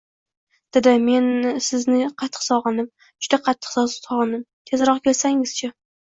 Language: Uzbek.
Dada, men sizni qattiq sog'indim, juda qattiq sog'indim, tezroq kelsangizchi